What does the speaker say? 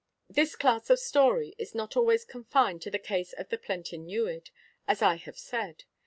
This class of story is not always confined to the case of the plentyn newid, as I have said.